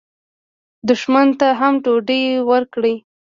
دښمن ته هم ډوډۍ ورکړئ